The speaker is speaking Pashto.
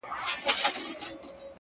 • وران خو وراني كيسې نه كوي،